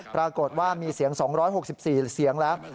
ปรากฏว่ามีเสียง๒๖๔เสียงแล้ว